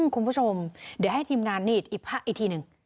คุณผู้ชมเดี๋ยวให้ทีมงานนี่อีกทีหนึ่ง